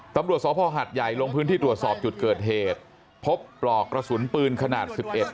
ตำรวจสภหัดใหญ่ลงพื้นที่ตรวจสอบจุดเกิดเหตุพบปลอกกระสุนปืนขนาดสิบเอ็ด